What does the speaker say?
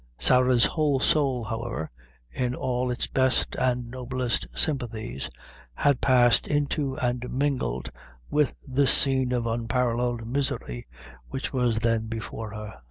Sarah's whole soul, however, in all its best and noblest sympathies, had passed into and mingled with the scene of unparalleled misery which was then before her.